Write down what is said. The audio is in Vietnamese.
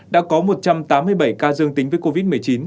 đã có một trăm tám mươi bảy ca dương tính với covid một mươi chín